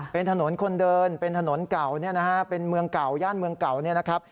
เป็นถนนคนเดินเป็นถนนเก่าเป็นเมืองเก่าย่านเมืองเก่า